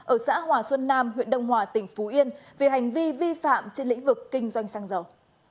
ở xã hòa xuân nam huyện đông hòa tỉnh phú yên vì hành vi vi phạm trên lĩnh vực kinh doanh xăng dầu